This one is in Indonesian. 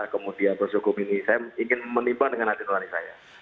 kemudian bersyukur ini saya ingin menimpa dengan hati nurani saya